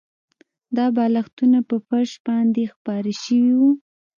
دا بالښتونه په فرش باندې خپاره شوي وو